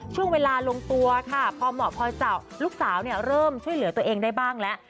ช่วงเวลาลงตัวค่ะพอเหมาะพอเจ้าลูกสาวเริ่มช่วยเหลือตัวเองได้บ้างแล้ว